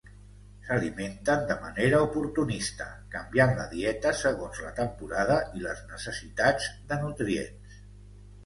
S'alimenten de manera oportunista, canviant la dieta segons la temporada i les necessitats de nutrients.